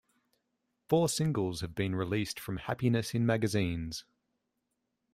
Four singles have been released from "Happiness in Magazines".